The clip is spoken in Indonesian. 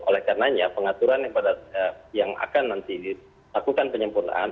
oleh karenanya pengaturan yang akan nanti dilakukan penyempurnaan